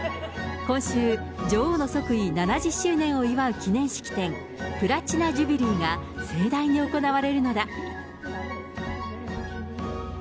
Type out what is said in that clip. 今週、女王の即位７０周年を祝う記念式典、プラチナジュビリーが盛大に行われるのだ。